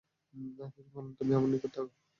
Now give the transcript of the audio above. তিনি বললেন, তুমি আমার নিকট থাক।